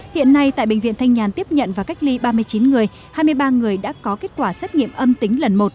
hiện nay tại bệnh viện thanh nhàn tiếp nhận và cách ly ba mươi chín người hai mươi ba người đã có kết quả xét nghiệm âm tính lần một